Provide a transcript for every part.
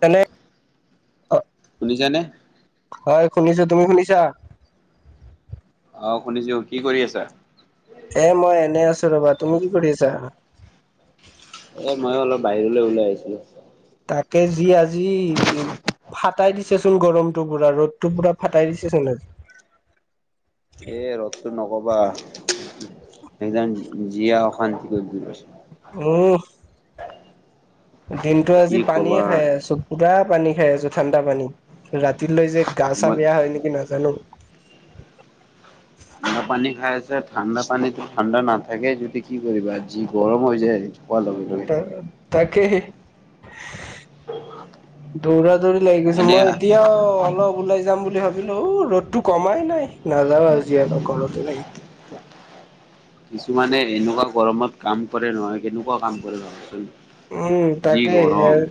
তেনে শুনিছানে? হয় শুনিছো, তুমি শুনিছা? অ, শুনিছোঁ। কি কৰি আছা? এ মই এনে আছো ৰবা। তুমি কি কৰি আছা? এ মইও অলপ বাহিৰলৈ ওলাই আহিছিলো। তাকে যি আজি ফা ফাটাই দিছে চোন গৰমটো পুৰা ৰ'দটো পুৰা ফাটাই দিছেচোন আজি এ ৰদটো নকবা একদ জীয়াই অশান্তি কৰি দি উম দিনতো কি আজি পানীয়ে ক'বা খাই আছো পুৰা পানী খাই আছো ঠাণ্ডা পানী ৰাতি লৈ যায় গা চা মই বেয়া হয় নেকি নাজানো ঠাণ্ডা পানী খাইছে ঠাণ্ডা পানীটো ঠাণ্ডা নাথাকে যদি কি কৰিবা যি গৰম হৈ যায় খোৱা লগে লগে তাকে দৌৰা লাগি গৈছে এনে মই এতিয়াও অলপ ওলাই যাম বুলি ভাব লো ৰ'দটো কমাই নাই নাযাও আজি আৰু আৰু ঘৰতে থাকিম কিছুমানে এনেকুৱা গৰমত কাম কৰে নহয় কেনেকুৱা কাম কৰে উম ভাৱচোন যি তাকেই গৰম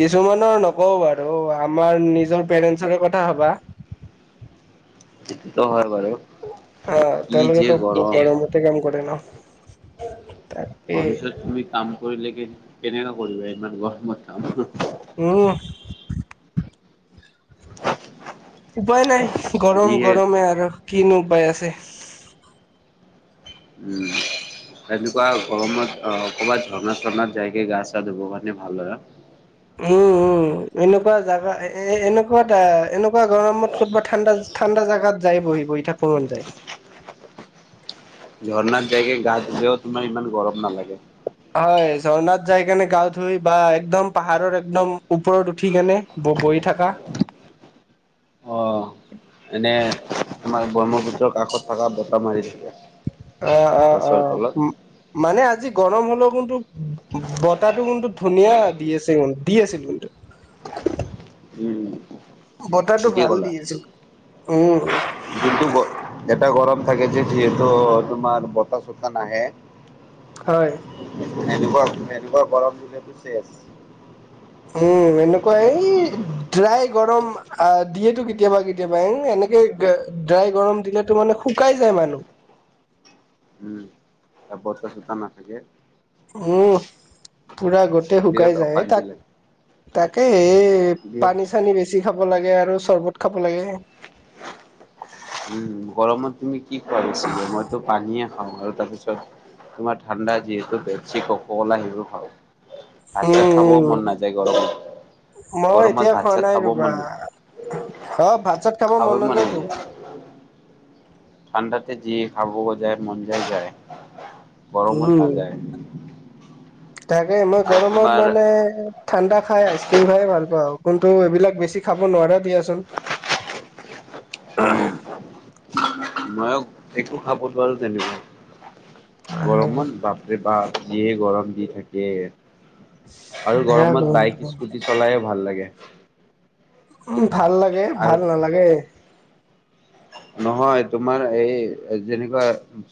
কিছুমানৰ নকওঁ বাৰু আমাৰ নিজৰ পেৰেন্টছৰে কথা ভাবা [inaudible] সেইটো হয় বাৰু অ কি যে তেওঁলোকেতো গৰম। গৰমতে কাম কৰে ন তাকে অফিচত তুমি কাম কৰিলে কি কেনেকা কৰিবা ইমান গৰমত কাম উম উপায় নাই। গৰম যিহে গৰমে আৰু কিনো উপায় আছে। উম। এনেকুৱা গৰমত অ কবাত ঝৰ্ণা ঝৰ্ণাত যাইকে গা চা ধুব কাৰণে ভাল হয়। উম, উম। এনেকুৱা জাগা এ এনেকুৱাত এনেকুৱা গৰমত ক'ত বা ঠাণ্ডা ঠাণ্ডা জাগাত যাই বহি বহি থাকব মন যায়। ঝৰ্ণাত যায় কে গা ধুলেও তোমাৰ ইমান গৰম নালাগে। হয় ঝৰ্ণাত যাই কেনে গা ধুই বা একদম পাহাৰৰ একদম ওপৰত উঠি কেনে ব বৈ থাকা। অ। এনে আমাৰ ব্ৰহ্মপুত্ৰ কাষত থাকা বতাহ মাৰি থাকে। অ-অ-অ গছৰ তলত মানে আজি গৰম [unintelligible] কিন্তু বতাহটো কিন্তু ধুনীয়া দি আছিল, দি আছিল কিন্তু। উম। বতাহটো ঠিকেই ভাল দি আছে, উম। কিন্তু এটা গৰম থাকে যে যিহেতু তোমাৰ বতাহ চতা নাহে। হয়। এনে এনেকোৱা গৰম দিলেতো চেচ। উম, এনেকুৱা এই ড্ৰাই গৰম আহ দিয়েতো কেতিয়াবা কেতিয়াবা। এ এনেকে ড্ৰাই গৰম দিলেতো মানে শুকাই যায় মানুহ। উম, [unintelligible] নাথকে। উম। পুৰা গোটেই বিৰাট শুকাই যায়। অশান্তি তাক লাগে। তাকে এই দিয়া পানী-চানী বেছি খাব লাগে আৰু চৰ্বত খাব লাগে। উম গৰমত তুমি কি খোৱা বেছিকে? মইতো পানীয়েে খাওঁ আৰু তাৰছত তোমাৰ ঠাণ্ডা যিহেতু পেপচি, ক'ককলা সেইবোৰ খাওঁ। উম, ভাত-চাত খাবও উম, মন নাযায় গৰমত। মই গৰমত এতিয়া ভাত খোৱা চাত নাই খাবও ৰ'বা। মন নাযায় অ, ভাত-চাত খাব খাবই মন নাযায়টো। নাযায় ঠাণ্ডাতে যি খাব জায় মন যায় যায়। গৰমত উম নাযায়। তাকে মই আৰু গৰমত তোমাৰ মানে ঠাণ্ডা খাই আইচকিম খাই ভাল পাওঁ। কোনটো এইবিলাক বেছি খাব নোৱাৰা দিয়াচোন। উম, মইও একো খাব নোৱাৰো তেনেকে। হয় হয় গৰমত বাপৰে বাপ যিয়ে গৰম দি থাকে। আৰু বেয়া গৰমত গৰম বাইক, স্কুটি চলায়েভাল লাগে। উ ভাল লাগে? আৰু ভাল নালাগে। [unintelligible] নহয়, তোমাৰ এই যেনেকুৱা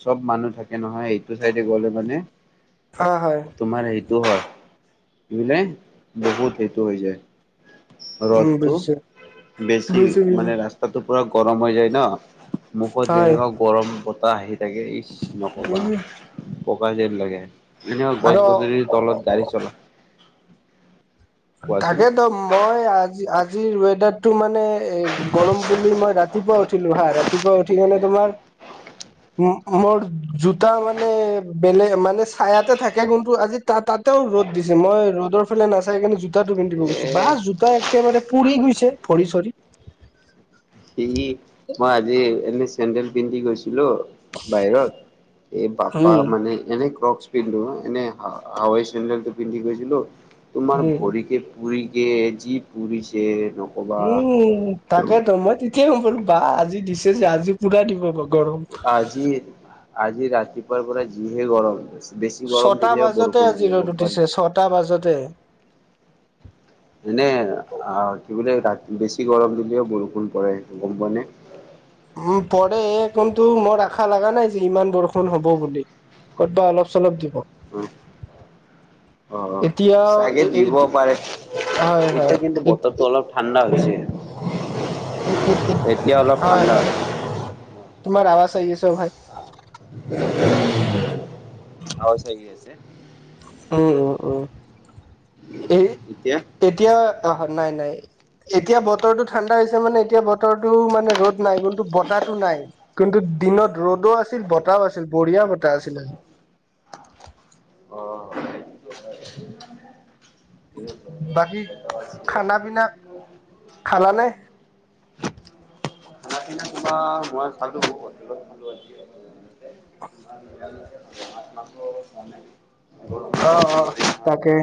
চব মানুহ থাকে নহয়। এইটো চাইদে গলে মানে হয়, হয়। টো হয়। [unintelligible] বহুত সেইটো হৈ যায়। উম ৰ'দটো বুজিছো বেছি, বুজিছো বুজিছো মানে ৰাস্তাটো পুৰা গৰম হৈ যায় ন। মুখত হয় যেনেকুৱা গৰম বতাহ আহি থাকে নকবা, উম ককা যেন লাগে। এনেও আৰু গছ-গছনি তলত গাড়ী চলা কোৱাচোন তাকেটো মই আজি আজিৰ ৱেডাৰতটো মানে এ গৰম বুলি মই ৰাত ৰাতিপুৱা উঠিলো হা। ৰাতিপুৱা উঠি কিনে তোমাৰ মোৰ জোতা মানে বেলেগ মানে চায়াতে থাকে। কিন্তু আজি তাত তাতেও ৰ'দ দিছে। মই ৰ'দৰ ফালে নাচাই কিনে জোতাটো পিন্ধিব গৈছো। এ বাহ জোতা একেবাৰে পুৰি গৈছে ভৰি-চৰি। সেই মই আজি এনে চেণ্ডেল পিন্ধি গৈছো। হেল্ল বাহিৰত এই পাপা উম মানে এনেক। পিন্ধো এনে হ হাৱাই চেণ্ডেলটো পিন্ধি গৈছিলো তোমাৰ উম ভৰিকে পুৰি। কে যি পুৰিছে। নকবা উম থাকেতেতো মই তেতিয়াই হম পাৰলো বা আজি দিছে যে আজি পুৰা দিব বাৰু। আজি আজি ৰাতিপুৱাৰ পৰা যিহে গৰম দিছে। বেছি গৰম ছটা দিলেও বাজতে বৰষুণ আজি ৰ'দ দিব উঠিছে ছটা বত। বাজতে এনে কি বোলে বেছি গৰম দিলেও বৰষুণ পৰে গম পোৱানে। উম পৰে কিন্তু মোৰ আশা লগা নাই যে ইমান বৰষুণ হ'ব বুলি। কত বা অলপ চলপ দিব। অ অ। এতিয়াও চাগে দিব পাৰে হয় এতিয়া কিন্তু হয় বতৰটো অলপ ঠাণ্ডা হৈছে। এক এতিয়া অলপ হয় ঠাণ্ডা হয় তোমাৰ আৱাজ আহ আ চ ভাই। আৰু চাগে আছে। উ এই এতিয়া এতিয়া আহ নাই নাই। এতিয়া বতৰটো ঠাণ্ডা হৈছে মানে এতিয়া বতৰটো মানে ৰ'দ নাই কিন্তু বতাহটো নাই কিন্তু। দিনত ৰ'দ দো আছিল বতাহও আছিল বঢ়িয়া বতাহ আছিলে। অ' খানা বাকী খানা পিনা খালানে। পিনা তোমাৰ মই খালো হটেলত খালো আজি। মাছ মাংস খোৱা নাই গৰম অ অ নোৱাৰি নহয় তাকে।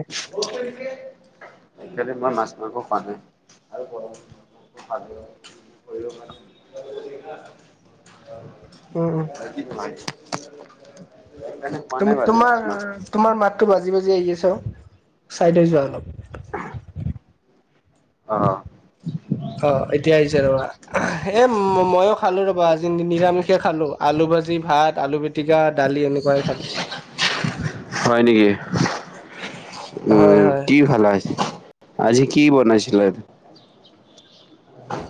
আজি কালি মই মাছ মাংস খোৱা নাই উম উম আৰু। [unintelligible] [unintelligible] খোৱা নাই তুমি বাৰু মাছ তোমাৰ মাংস তোমাৰ মাততো বাজি বাজি আহি চাইডে যোৱা অলপ। অ। অ এতিয়া আহি হৈছে ৰবা এ মইও খালো ৰবা আজ নিৰামিষে খালো আলু। ভাজি ভাত আলু পিটিকা দালি এনেকুৱাই খালো। হয় নেকি হয় উম হয় কি খালা আজি। আজি কি বনাইছিলে।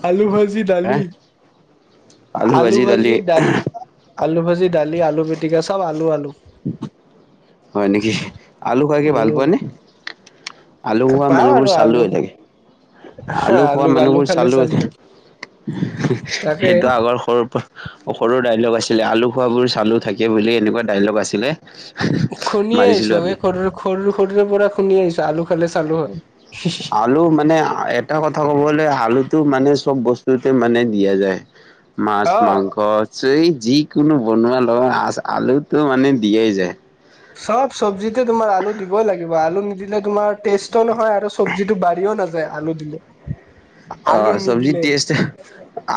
আলু, ভাজি দালি, হে আলু ভাজি দালি। আলু ভাজি ডালি আলু পিটিকা সব আলু আলু হয় নেকি আলু খাই কি ভাল পোৱা। উম নে- আলু খোৱা পাওঁ মানুহবোৰ আৰু চালে আলু থাকে আলু খোৱা আলু মানুহবোৰ খালে চালো চালু হয় থাকে। তাকে সেইটো আগৰ সৰুৰ পৰা সৰুৰ ডাইলগ আছিলে আলু খোৱ বোৰ। আলু থাকে বুলি এনেকোৱা ডাইলগ আছিলে। খুন্দি মাৰিছিলো আহিছো আমি এই সৰু সৰুৰে পৰা খুন্দি আহিছো আলু খালে চালু হয়। আলু মানে এটা কথা ক'বলে আলু। টো মানে চব বস্তুতে মানে দিয়া যায় মাছ অ মাংসছে। যিকোনো বনোৱা লগত আ আলুতো মানে দিয়েই যায়। চব চব্জিতে তোমাৰ আলু দিবই লাগিব আলু নিদিলে তোমাৰ। টেষ্টও নহয় আৰু চব্জিতটো বাঢ়িও নাযায় আলু দিলে। অ আলু চব্জি নিদিলে। টেষ্ট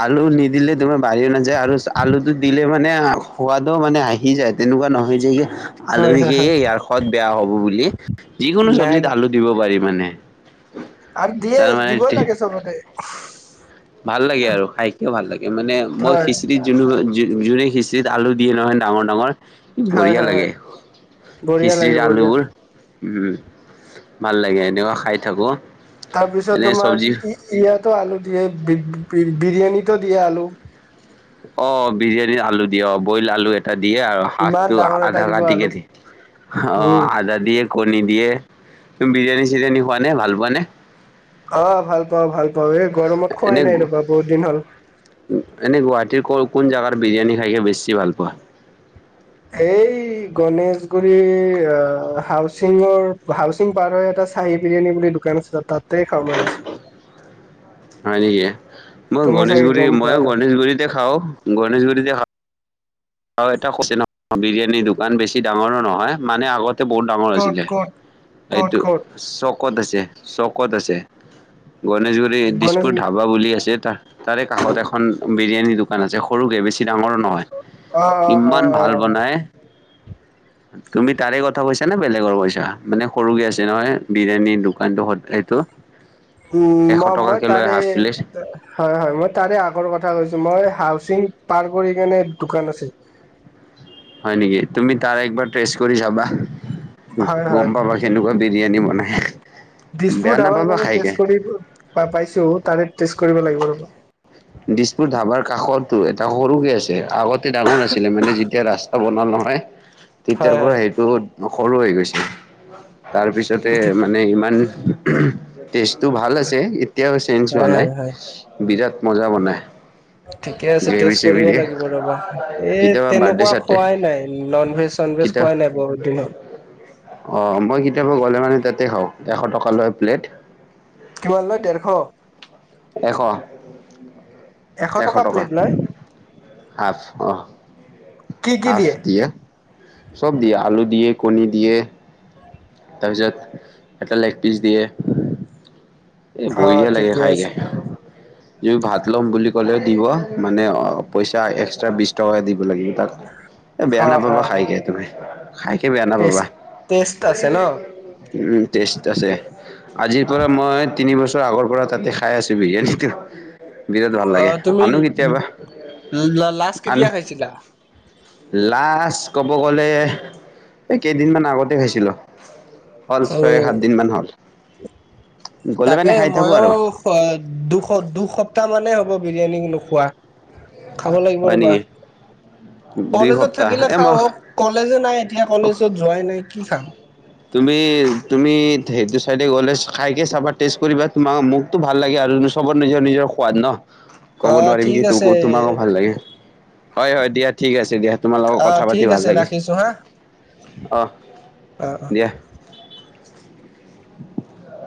আলু নিদিলে তোমাৰ বাঢ়িও নাযায় আৰু আলুটো দিলে মানে। সোৱাদও মানে আহি যায় তেনেকোৱা নহয় যে। আলু হয় হয় হয় শিকেইে ইয়াৰ সোৱদ বেয়া হ'ব বুলি যিকোনো নাই চব্জিত নাই আলু দিব পাৰিব। মানে। আৰু দিয়ে তাৰ মানে দিবই লাগে চবতে। [unintelligible] ভাল লাগে আৰু খাইকিয় ভাল লাগে মানে মই হয় খিচিৰি যোন। যোনে খিচিৰি আল দে নহয় ডাঙৰ ডাঙৰ। বঢ়িয়া হয় লাগে হয় বঢ়িয়া খিচৰি লাগে বঢ়িয়া আলুবোৰ উম। ভাল লাগে এনেকোৱা খাই থাকো। তাৰপিছত এনে তোমাৰ চব্জি ইয়াতো আলু দিয়ে বিৰিয়ানীটো দিয়ে। দে আলু- অ বিৰিয়ানী, আলু দিয় অ বইল আলু এটা দিয়ে আৰু ইমান সাতটো ডাঙৰ এটা আধা দিব আলু কাটিকে দিয়ে অ উম আধা দিয়ে- কণী দিয়ে তুমি বিৰিয়ানী চিৰিয়ানী খোৱা নে ভাল পোৱা নে অ ভাল পাওঁ ভাল পাওঁ। বাৰ এই গৰমত এনে খোৱাই নাই গু ৰবা বহুত দিন হ'ল- এনে গুৱাহাটীৰ ক কোন জাগাত বিৰিয়ানী খাইকে বেছি ভাল পোৱা। এই গণেশগুৰি হাউচিঙৰ হাউচিং পাৰ এটা- চাহ বিৰিয়ানী বুলি দোকান আছে তাতে খাওঁ মাজিছে [unintelligible] হয় নেকি মই তুমি চাগে গণেশগুৰি গম পোৱা মই নাই গণেশগুৰিতে খাও গণেশগুৰিতে খা- আৰু এটা ন বিৰিয়ানীৰ দোকান বেছি ডাঙৰো নহয় মানে আগত বহুত ডাঙৰ ক'ত আছিলে ক'ত ক'ত এইটো ক'ত চ চকত আছে চকত আছে গণেশগুৰি দিছপুৰ গণেশগুৰি ধাবা বুলি আছে। তাৰে কাষত এখন বিৰিয়ানীৰ দোকান আছে সৰুকে বেছি ডাঙৰো নহয়। অ', অ', ইমান ভাল অ', বনাই তুমি তাৰে কথা কৈছা নে বেলেগৰ কইছা মানে সৰুকে আছে নহয় বিৰিয়ানীৰ দোকানটো স এইটো উম এশ ম মই টকাকে লয় তাৰে হাফ প্লেট হয় হয় মই তাৰে আগৰ কথা কৈছো। মই হাউচিং পাৰ্কৰ স কাৰণে দোকান আছিল। হয় নেকি তুমি তাৰ একবাৰ টেচ কৰি চাবা হয়, হয়, গম পাবা কেনেকোৱা। বিৰিয়ানী বনাই। দিছপুৰ বেয়া ধাবাৰ নাপাবা বাৰু খাইকে পাইছো তাৰে টেষ্ট কৰিব লাগিব। ৰ'ব দিছপুৰ ধাবাৰ কাষৰতটো এটা সৰুকে আছে আগতে ডাঙৰ আছিলে মানে যেতিয়া ৰাস্তা বনালওঁ। হয়। তেতিয়াৰ হয়, পৰা হয়, সেইটো সৰু হৈ গৈছে তাৰ পিছতে মানে ইমান। ষ্টেটো ভাল আছে এতিয়াও চেঞ্জ হোৱা হয়, নাই হয়, হয়, বিৰাট মজা বনাই। ঠিকে আছে গ্ৰেভি টে'ষ্টত চেভি কৰিব দিয়ে লাগিব ৰবা এই কেতিয়াবা বাৰ্থডে তেনেকুৱা চাৰ্থডে খোৱাই নাই নন ভেজ। চন বেচ কিতা খোৱাই নাই বহুত দিনত। অ মই কেতিয়াবা গ'লে মানে তাতে খাওঁ এশ টকা লয় প্লেট। কিমান লয় ডেৰশ এশ। এশ টকা হাফঁ অ। কি কি হাঁফ দিয়ে চব দিয়ে আলু দিয়ে, কণী দিয়ে, - তাৰপিছত এটা লেগ পিচ দিয়ে,। এ অ', বঢ়িয়া লাগে ঠিকে আছে খাইকে। তুমি ভাত ল'ম বুলি ক'লেও দিব মানে অ পইচা এক্সট্ৰা বিশ টকা দিব লাগিব। বেয়া অ', নাপাবা অ', খাই অ', কিনে তুমি। খাইকে বেয়া নাপাবা। টেষ্ট টেষ্ট আছে ন? টেষ্ট আছে আজিৰ পৰা মই- তিনি বছৰ আগৰ পৰা তাতে খাই আছোঁ বিৰিয়ানীটো। বিৰাট ভাল লাগে অ' তুমি আনো কেতিয়াবা লাষ্ট আনো। কেতিয়া খাইছিলা? লাষ্ট ক'ব গ'লে এই কেইদিনমান আগতে খাইছিলোঁ। হ'ল ছয় উম, সাত দিন মান হ'ল। গ'লে তাকে মানে খাই থাকো ময়ো আৰু দু দুসপ্তাহ মানেই হ'ব বিৰিয়ানী নোখোৱা। খাব লাগিব হয় ৰ'বা। নেকি। দুই কলেজত সপ্তাহ থাকিলে এ মই খাওঁ কলেজে নাই এতিয়া কলেজত যোৱাই নাই কি খাম। তুমি তুমি সেইটো ছাইডে গ'লে খাইকে চাবা টেষ্ট কৰিবা তোমাক মোকতো ভাল লাগে। আৰু চবৰ নিজৰ নিজৰ সোৱাদ ন ক'ব অ' নোৱাৰিম কি ঠিক আছে তোমাকো ভাল লাগে। হয় হয় দিয়া ঠিক আছে দিয়া তোমাৰ লগত অ' কথা পাতি ঠিক ভাল আছে লাগিল। ৰাখিছো হা অ অ অ। দিয়া [unintelligible]